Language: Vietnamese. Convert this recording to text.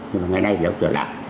nhưng mà ngày nay thì ông kể lại